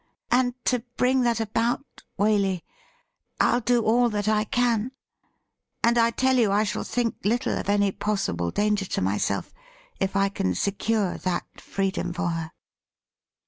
And to bring that about, Waley, I'll do all that I can, and I tell you I shall think little of any possible danger to myself if I can secure that freedom for her.'